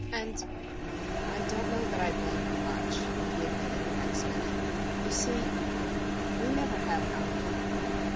"And I don't know that I blame her much," he admitted, the next minute. "You see, we never have gotten along.